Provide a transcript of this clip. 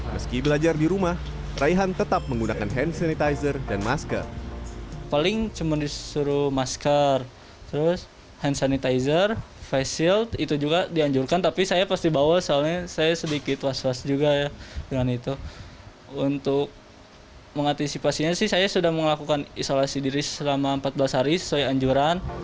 meski belajar di rumah raihan tetap menggunakan hand sanitizer dan masker